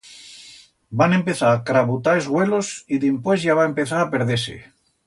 Van empezar a crabutar es güelos y dimpués ya va empezar a perder-se.